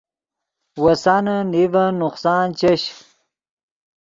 وسانے نیڤن نقصان چش